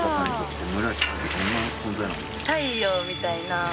太陽みたいな。